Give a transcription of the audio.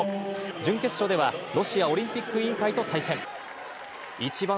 準決勝ではロシアオリンピック委員会と対戦。